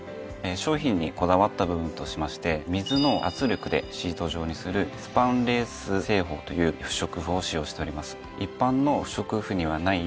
商品にこだわった部分としまして水の圧力でシート状にするスパンレース製法という不織布を使用しております。